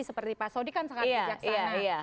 seperti pak sodik kan sangat bijaksana